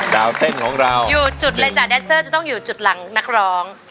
เต้นของเราอยู่จุดเลยจ้แดนเซอร์จะต้องอยู่จุดหลังนักร้อง